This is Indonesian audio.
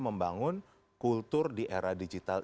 membangun kultur di era digital